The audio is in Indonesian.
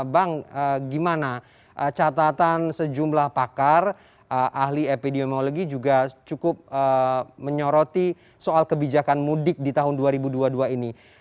bang gimana catatan sejumlah pakar ahli epidemiologi juga cukup menyoroti soal kebijakan mudik di tahun dua ribu dua puluh dua ini